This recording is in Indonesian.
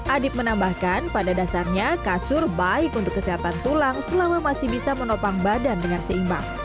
adib menambahkan pada dasarnya kasur baik untuk kesehatan tulang selama masih bisa menopang badan dengan seimbang